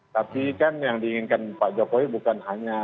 tapi kan yang diinginkan pak jokowi bukan hanya